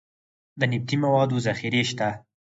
د نفتي موادو ذخیرې شته